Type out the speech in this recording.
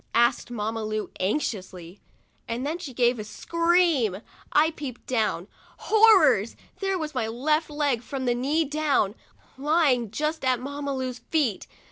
asked Mamma Lu, anxiously, and then she gave a scream. I peeped down. Horrors ! there was my leg, from the knee down, lying just at Mamma Lu's feet.